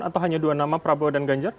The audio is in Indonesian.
atau hanya dua nama prabowo dan ganjar